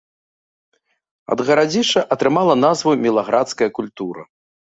Ад гарадзішча атрымала назву мілаградская культура.